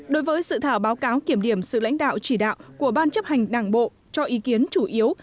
đối với sự thảo báo cáo kiểm điểm sự lãnh đạo chỉ đạo của ban chấp hành đảng bộ cho ý kiến chủ yếu